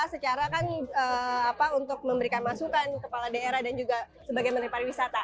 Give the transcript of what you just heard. secara kan untuk memberikan masukan kepala daerah dan juga sebagai menteri pariwisata